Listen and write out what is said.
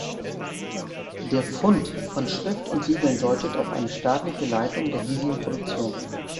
Der Fund von Schrift und Siegeln deutet auf eine staatliche Leitung der hiesigen Produktion.